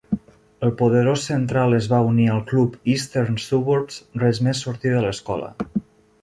El poderós central es va unir al club Eastern Suburbs res més sortir de l'escola.